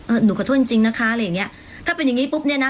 หนูขอโทษจริงจริงนะคะอะไรอย่างเงี้ยถ้าเป็นอย่างงี้ปุ๊บเนี้ยนะ